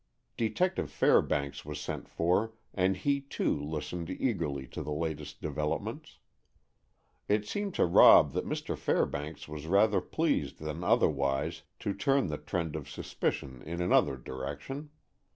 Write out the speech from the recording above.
Detective Fairbanks was sent for, and he, too, listened eagerly to the latest developments. It seemed to Rob that Mr. Fairbanks was rather pleased than otherwise to turn the trend of suspicion in another direction.